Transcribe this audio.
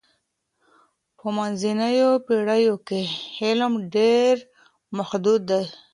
په منځنیو پېړیو کي علم ډېر محدود و.